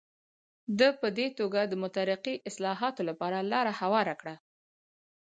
ده په دې توګه د مترقي اصلاحاتو لپاره لاره هواره کړه.